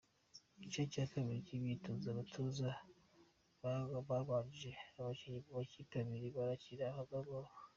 Igice cya kabiri cy’imyitozo abatoza bagabanyije abakinnyi mu makipe abiri barakina hagati yabo.